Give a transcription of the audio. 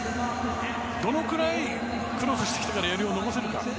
どのくらい、クロスしてきたらやりも伸ばせるか。